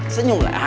terima kasih pak